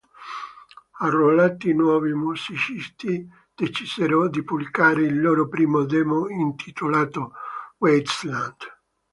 Arruolati nuovi musicisti, decisero di pubblicare il loro primo demo intitolato "Wasteland".